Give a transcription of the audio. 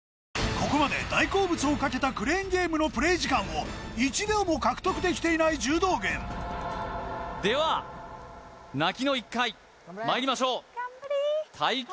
ここまで大好物をかけたクレーンゲームのプレイ時間を１秒も獲得できていない柔道軍では泣きの一回まいりましょう頑張れ耐久！